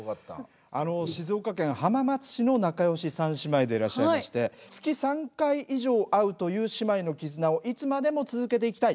静岡県浜松市の仲良し三姉妹でいらっしゃいまして月３回以上会うという姉妹の絆をいつまでも続けていきたい。